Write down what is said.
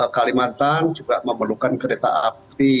kalimantan juga memerlukan kereta api